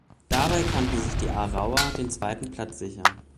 Dabei konnten sich die Aarauer den zweiten Platz sichern.